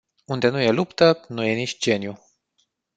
Unde nu e luptă, nu e nici geniu.